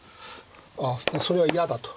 あそれは嫌だと。